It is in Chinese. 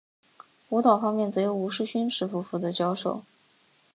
舞蹈方面则由吴世勋师傅负责教授。